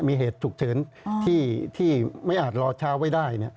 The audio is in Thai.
มีเหตุฉุกเฉินที่ไม่อาจรอช้าไว้ได้